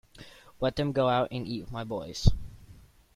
Let them go out and eat with my boys.